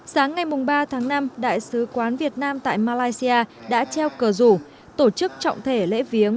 sáng ngày ba tháng năm đại sứ quán việt nam tại malaysia đã treo cờ rủ tổ chức trọng thể lễ viếng